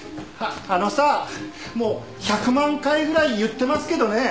あのさもう百万回ぐらい言ってますけどね